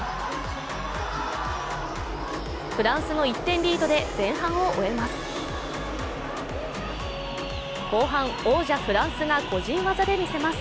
フランスの１点リードで前半を終えます。